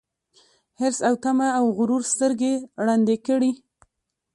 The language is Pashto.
حرص او تمه او غرور سترګي ړندې کړي